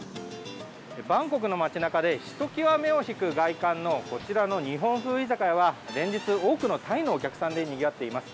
バンコクの街中でひときわ目を引く外観のこちらの日本風居酒屋は連日、多くのタイのお客さんでにぎわっています。